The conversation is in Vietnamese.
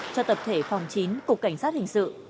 cho tập thể phòng chín cục cảnh sát hình sự